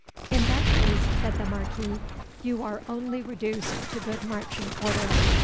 "In that case," said the Marquis, "you are only reduced to good marching order.